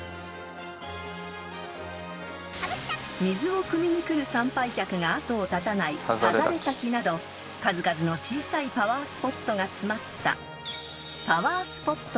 ［水をくみに来る参拝客が後を絶たないさざれ滝など数々の小さいパワースポットが詰まった］